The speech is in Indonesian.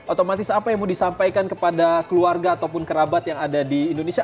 otomatis apa yang mau disampaikan kepada keluarga ataupun kerabat yang ada di indonesia